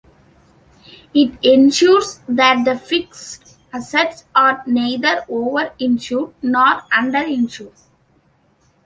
It ensures that the fixed assets are neither over-insured nor under-insured.